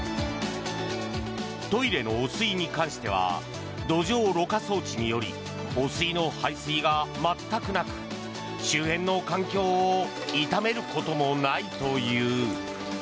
トイレの汚水に関しては土壌ろ過装置により汚水の排水が全くなく周辺の環境を痛めることもないという。